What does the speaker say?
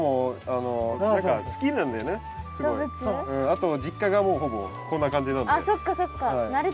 あと実家がもうほぼこんな感じなんで。